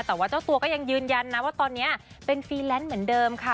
แต่ว่าเจ้าตัวก็ยังยืนยันนะว่าตอนนี้เป็นฟรีแลนซ์เหมือนเดิมค่ะ